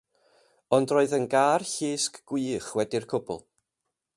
Ond roedd yn gar llusg gwych, wedi'r cwbl.